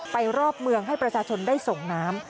รอบเมืองให้ประชาชนได้ส่งน้ำ